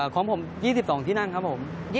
ของผม๒๒ที่นั่งครับผม